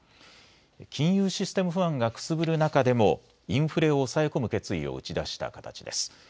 金融システム不安がくすぶる中でもインフレを抑え込む決意を打ち出した形です。